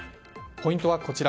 ポイントはこちら。